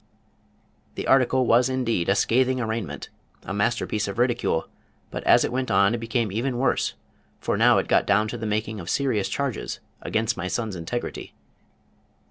The article was indeed a scathing arraignment, a masterpiece of ridicule, but as it went on it became even worse, for it now got down to the making of serious charges against my son's integrity.